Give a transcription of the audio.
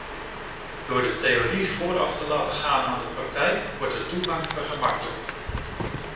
Door de theorie vooraf te laten gaan aan de praktijk wordt de toegang vergemakkelijkt.